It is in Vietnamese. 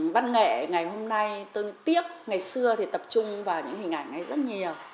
văn nghệ ngày hôm nay tôi tiếc ngày xưa thì tập trung vào những hình ảnh ấy rất nhiều